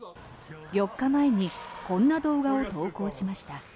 ４日前にこんな動画を投稿しました。